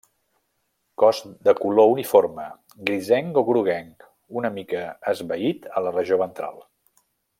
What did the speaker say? Cos de color uniforme, grisenc o groguenc, una mica esvaït a la regió ventral.